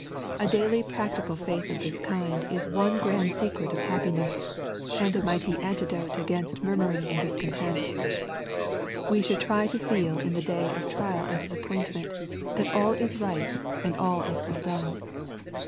A daily practical faith of this kiad, is one grand secret of happiuess, and a mighty antidote against monnming and discontent. We should try to feel in the day of trial and disappointment, that all is right and all is well done.